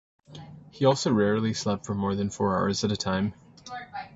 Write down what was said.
He also rarely slept for more than four hours at a time.